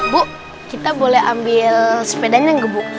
bu kita boleh ambil sepedanya nggak bu